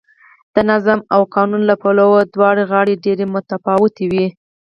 د نظم او قانون له پلوه دواړه غاړې ډېرې متفاوتې وې